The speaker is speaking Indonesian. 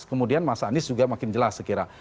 kemudian mas anies juga makin jelas saya kira